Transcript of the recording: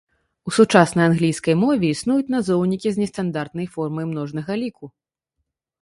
У сучаснай англійскай мове існуюць назоўнікі з нестандартнай формай множнага ліку.